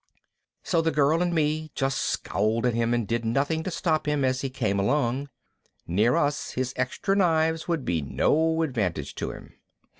So the girl and me just scowled at him but did nothing to stop him as he came along. Near us, his extra knives would be no advantage to him.